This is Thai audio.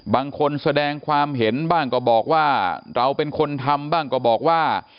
บางคนแสดงความเห็นบ้างก็บอกว่าเราเป็นคนทำบ้างก็บอกว่า